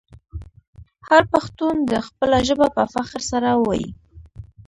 هر پښتون دې خپله ژبه په فخر سره وویې.